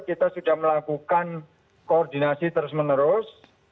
kita sudah melakukan koordinasi terus menerus